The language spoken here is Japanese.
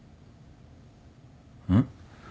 うん？